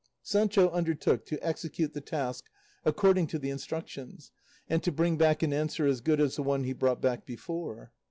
Sancho undertook to execute the task according to the instructions, and to bring back an answer as good as the one he brought back before.